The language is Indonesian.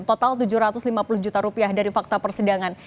total tujuh ratus lima puluh juta rupiah dari fakta persidangan